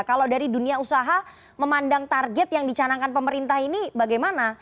kalau dari dunia usaha memandang target yang dicanangkan pemerintah ini bagaimana